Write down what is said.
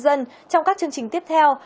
trong các chương trình tiếp theo